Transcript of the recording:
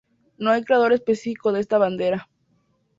No hay creador específico de esta bandera.